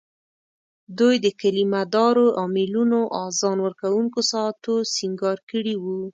دوی د کلیمه دارو امېلونو، اذان ورکوونکو ساعتو سینګار کړي وو.